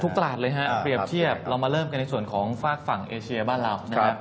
ตลาดเลยฮะเปรียบเทียบเรามาเริ่มกันในส่วนของฝากฝั่งเอเชียบ้านเรานะครับ